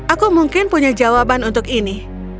aku mungkin punya jawaban untuk ini